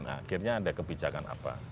akhirnya ada kebijakan apa